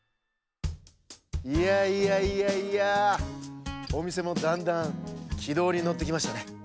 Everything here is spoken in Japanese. いやいやいやいやおみせもだんだんきどうにのってきましたね。